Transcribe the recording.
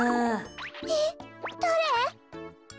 えっだれ？